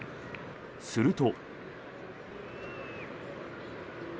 すると。